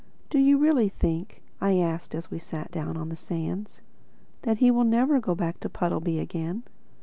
"Do you really think," I asked as we sat down on the sands, "that he will never go back to Puddleby again?"